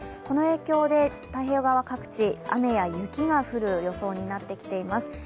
この影響で、太平洋側各地雨や雪が降る予想になってきています。